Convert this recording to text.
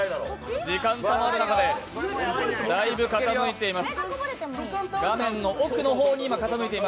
時間差のある中で、だいぶ傾いています。